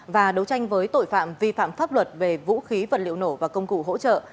và đấu tranh với tội phạm vi phạm pháp luật về vũ khí vật liệu nổ và công cụ hỗ trợ